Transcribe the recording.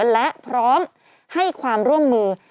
และพร้อมให้ความร่วมมือ